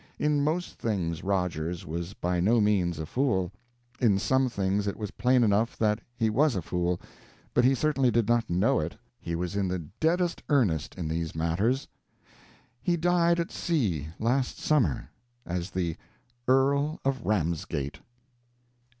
In most things Rogers was by no means a fool. In some things it was plain enough that he was a fool, but he certainly did not know it. He was in the "deadest" earnest in these matters. He died at sea, last summer, as the "Earl of Ramsgate."